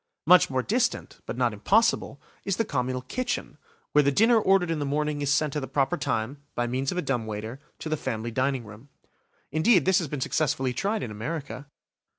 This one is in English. Much more distant, but not impossible, is the communal kitchen, where the dinner ordered in the morning is sent at the proper time, by means of a dumb waiter, to the family dining room. Indeed, this has been successfully tried in America.